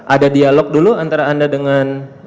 ada dialog dulu antara anda dengan